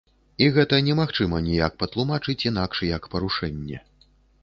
І гэта не магчыма ніяк патлумачыць інакш, як парушэнне.